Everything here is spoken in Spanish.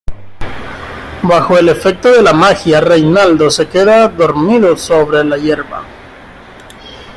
Bajo el efecto de la magia, Reinaldo se queda dormido sobre la hierba.